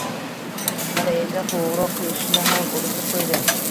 Mana endi qo`ng`iroq qilishni ham unutib qo`ydi